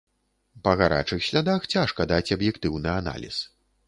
Па гарачых слядах цяжка даць аб'ектыўны аналіз.